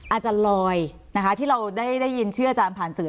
อาจจะลอยที่เราได้ได้ยินเชื่ออาจารย์ผ่านสื่อ